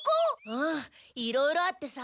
うんいろいろあってさ。